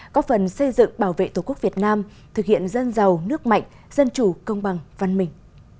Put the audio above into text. có phần xây dựng bảo vệ tổ quốc việt nam thực hiện dân giàu nước mạnh dân chủ công bằng văn minh